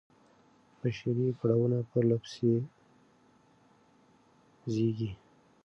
بشري کړاوونه پرله پسې زېږي.